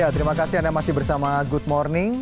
terima kasih anda masih bersama good morning